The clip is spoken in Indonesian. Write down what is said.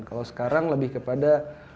kalau sekarang lebih kepada